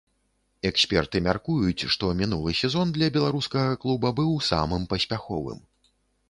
Эксперты мяркуюць, што мінулы сезон для беларускага клуба быў самым паспяховым.